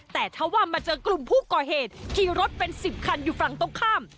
แต่ถ้าว่ามาเจอกลุ่มผู้ก่อเหตุขี่รถเป็น๑๐คันอยู่ฝั่งตรงข้าม